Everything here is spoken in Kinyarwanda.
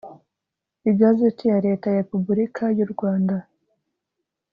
igazeti ya leta ya repubulika y’ u rwanda